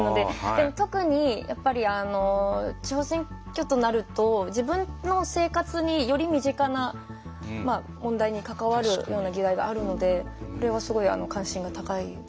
でも特にやっぱりあの地方選挙となると自分の生活により身近な問題に関わるような議題があるのでこれはすごい関心が高いですね。